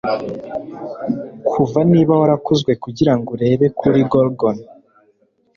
kuva niba warakozwe kugirango urebe kuri Gorgon